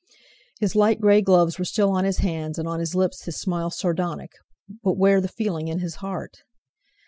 His light grey gloves were still on his hands, and on his lips his smile sardonic, but where the feeling in his heart?